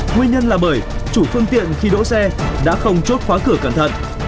nguyên nhân là bởi chủ phương tiện khi đỗ xe đã không chốt khóa cửa cẩn thận